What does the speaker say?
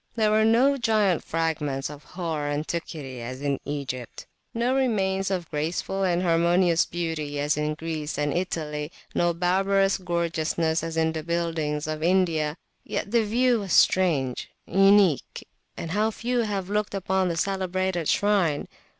There were no giant fragments of hoar antiquity as in Egypt, no remains of graceful and harmonious beauty as in Greece and Italy, no barbarous gorgeousness as in the buildings of India; yet the view was strange, uniqueand how few have looked upon the celebrated shrine!